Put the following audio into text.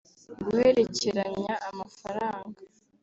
guhererekanya amafaranga